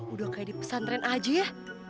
udah kayak di pesantren aja ya